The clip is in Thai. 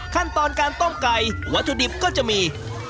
ขั้นตอนการต้มไก่วัตถุดิบก็จะมี